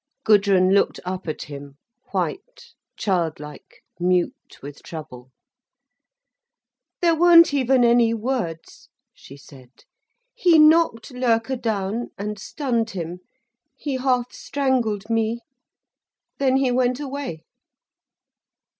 Gudrun looked up at him, white, childlike, mute with trouble. "There weren't even any words," she said. "He knocked Loerke down and stunned him, he half strangled me, then he went away."